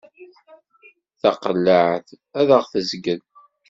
Taqellaɛt ad aɣ-tezgel.